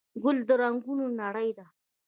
ګل د رنګونو نړۍ ده.